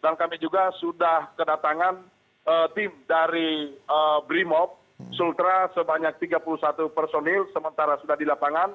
kami juga sudah kedatangan tim dari brimob sultra sebanyak tiga puluh satu personil sementara sudah di lapangan